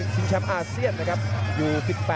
แชมป์อาเซียนนะครับอยู่๑๘